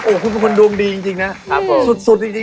โอ้ยคุณเป็นคนดวงดีจริงนะสุดดี